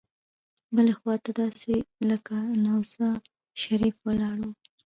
بلې خوا ته داسې لکه نوزا شریف ولاړ وو.